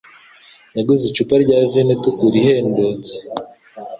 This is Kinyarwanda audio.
yaguze icupa rya vino itukura ihendutse.